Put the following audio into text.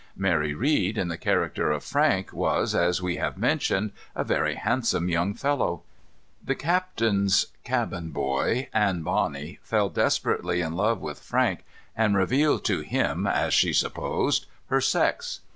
Mary Read, in the character of Frank, was, as we have mentioned, a very handsome young fellow. The captain's cabin boy, Anne Bonney, fell desperately in love with Frank, and revealed to him, as she supposed, her sex.